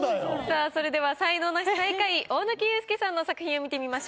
さあそれでは才能ナシ最下位大貫勇輔さんの作品を見てみましょう。